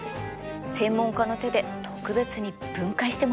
専門家の手で特別に分解してもらっちゃいました。